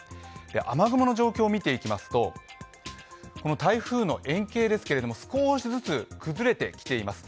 雨雲の状況を見ていきますと、台風の円形ですけど少しずつ崩れてきています。